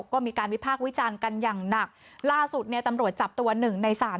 ก็มีการวิพากษ์วิจารณ์กันอย่างหนักล่าสุดเนี่ยตำรวจจับตัวหนึ่งในสาม